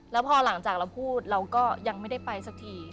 แล้วพอหลังจากเราพูดเราก็ยังไม่ได้ไปสักที